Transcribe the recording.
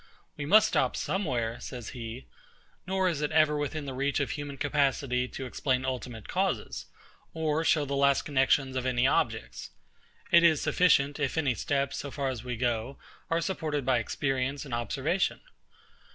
"We must stop somewhere", says he; "nor is it ever within the reach of human capacity to explain ultimate causes, or show the last connections of any objects. It is sufficient, if any steps, so far as we go, are supported by experience and observation."